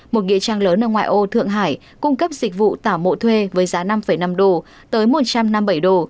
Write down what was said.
một nghịa trang lớn ở ngoài ô thượng hải cung cấp dịch vụ tả mộ thuê với giá năm năm đô tới một trăm năm mươi bảy đô